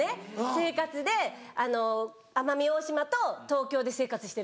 生活で奄美大島と東京で生活してるんですよ。